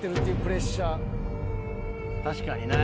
確かにね